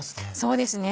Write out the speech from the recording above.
そうですね。